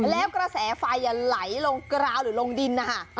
แล้วกระแสไฟไหลลงกราวหรือลงดินนะคะ